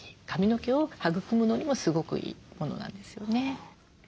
髪の毛を育むのにもすごくいいものなんですよね。